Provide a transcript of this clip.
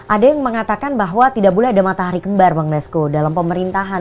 ada yang mengatakan bahwa tidak boleh ada matahari kembar bang mesko dalam pemerintahan